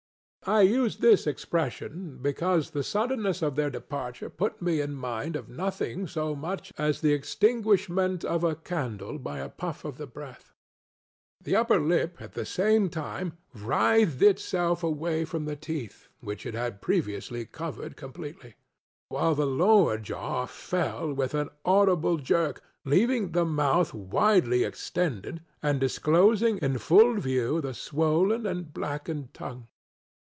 I use this expression, because the suddenness of their departure put me in mind of nothing so much as the extinguishment of a candle by a puff of the breath. The upper lip, at the same time, writhed itself away from the teeth, which it had previously covered completely; while the lower jaw fell with an audible jerk, leaving the mouth widely extended, and disclosing in full view the swollen and blackened tongue.